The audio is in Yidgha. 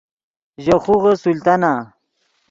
ژے خوغے سلطانہ